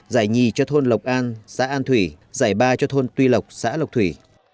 giải nhì cho thôn lộc an xã an thủy giải ba cho thôn tuy lộc xã lộc thủy